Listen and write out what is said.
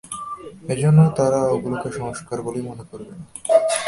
এজন্য তারা ওগুলোকে সংস্কার বলেই মনে করবে না।